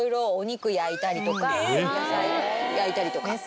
野菜焼いたりとか。